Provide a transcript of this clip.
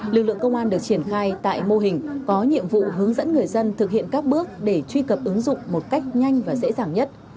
lực lượng công an được triển khai tại mô hình có nhiệm vụ hướng dẫn người dân thực hiện các bước để truy cập ứng dụng một cách nhanh và dễ dàng nhất